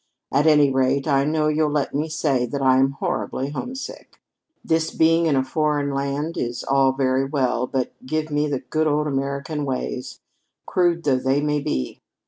At any rate, I know you'll let me say that I am horribly homesick. This being in a foreign land is all very well, but give me the good old American ways, crude though they may be.